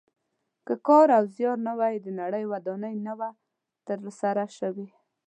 که کار او زیار نه وای د نړۍ ودانۍ نه وه تر سره شوې.